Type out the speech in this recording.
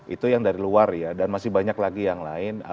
itu yang dari luar ya dan masih banyak lagi yang lain